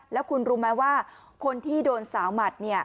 แล้วคุณรู้ไหมว่าคนที่โดนสาวหมัด